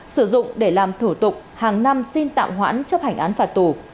sử dụng để làm thủ tục hàng năm xin tạm hoãn chấp hành án phạt tù